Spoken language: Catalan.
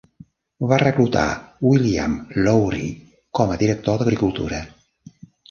Va reclutar William Lowrie com a director d'agricultura.